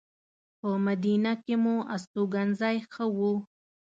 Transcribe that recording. په مدینه کې مو استوګنځی ښه و.